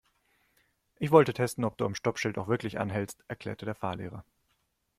Ich wollte testen, ob du am Stoppschild auch wirklich anhältst, erklärte der Fahrlehrer.